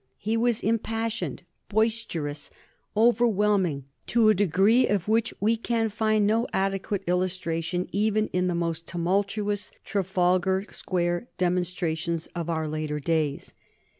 He was impassioned, boisterous, overwhelming to a degree of which we can find no adequate illustration even in the most tumultuous Trafalgar Square demonstrations of our later days.